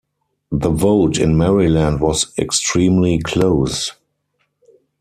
The vote in Maryland was extremely close.